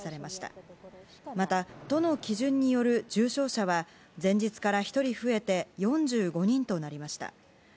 また、都の基準による重症者は前日から１人増えて４５人となりました。